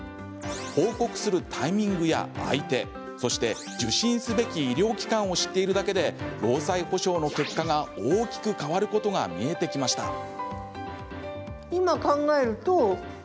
報告するタイミングや相手そして受診すべき医療機関を知っているだけで労災補償の結果が大きく変わることが見えてきました。